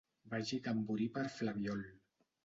Vagi tamborí per flabiol.